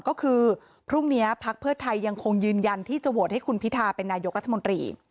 ก็คือพรุ่งนี้พักเพื่อไทยยังคงยืนยันที่จะโหวตให้คุณพิทาเป็นนายกรัฐมนตรี